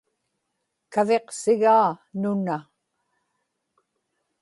kaviqsigaa nuna